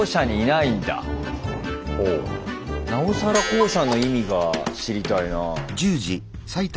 なおさら校舎の意味が知りたいなぁ。